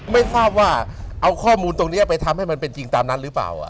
ไม่ทราบว่าเอาข้อมูลตรงนี้ไปทำให้มันเป็นจริงตามนั้นหรือเปล่า